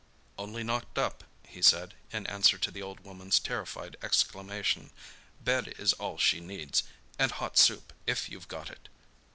"Only knocked up," he said, in answer to the old woman's terrified exclamation. "Bed is all she needs—and hot soup, if you've got it.